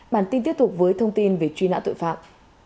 bản tin tiếp tục với thông tin về truy nã tội phạm